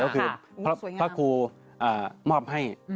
ก็คือพระครูมอบให้